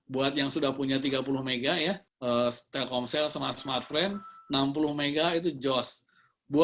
buat yang sudah punya tiga puluh mhz telkomsel smartfren enam puluh mhz itu joss